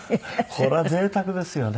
これは贅沢ですよね。